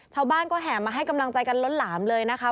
ชาวบ้านก็แห่มาให้กำลังใจกันล้นหลามเลยนะคะ